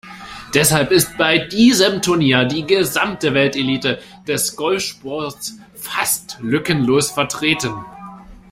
Deshalb ist bei diesem Turnier die gesamte Weltelite des Golfsports fast lückenlos vertreten.